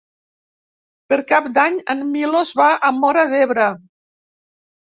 Per Cap d'Any en Milos va a Móra d'Ebre.